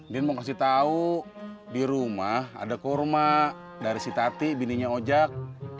din mau kasih tau di rumah ada kurma dari si tati bininya ojak